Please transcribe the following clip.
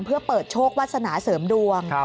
เพื่อเปิดโชควาสนาเสริมดวง